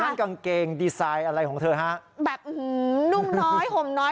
นั่นกางเกงดีไซน์อะไรของเธอฮะแบบอืมนุ่มน้อยห่มน้อย